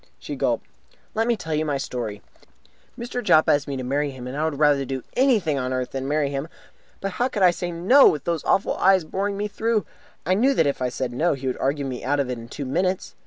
She gulped. "Let me tell you my story. Mr. Jopp asked me to marry him, and I would rather do anything on earth than marry him. But how could I say 'No!' with those awful eyes of his boring me through? I knew that if I said 'No', he would argue me out of it in two minutes.